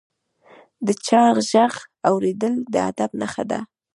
د چا ږغ اورېدل د ادب نښه ده.